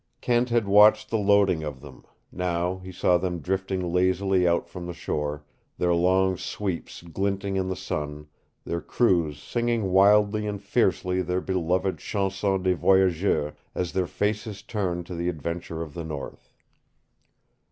Kent had watched the loading of them; now he saw them drifting lazily out from the shore, their long sweeps glinting in the sun, their crews singing wildly and fiercely their beloved Chanson des Voyageurs as their faces turned to the adventure of the North.